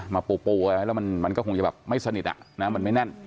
ปูเอาไว้แล้วมันก็คงจะแบบไม่สนิทมันไม่แน่น